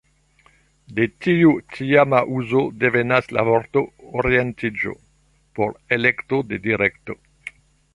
De tiu tiama uzo devenas la vorto ""orientiĝo"" por ""elekto de direkto"".